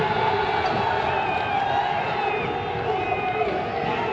สวัสดีครับ